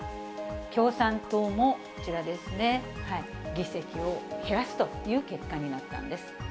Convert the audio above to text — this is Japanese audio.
共産党もこちらですね、議席を減らすという結果になったんです。